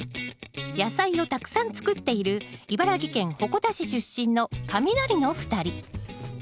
野菜をたくさん作っている茨城県鉾田市出身のカミナリの２人。